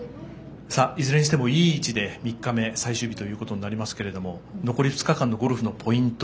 いずれにしてもいい位置で３日目、最終日となりますけど残り２日間のゴルフのポイント